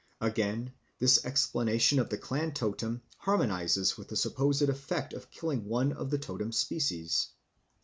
Again, this explanation of the clan totem harmonises with the supposed effect of killing one of the totem species.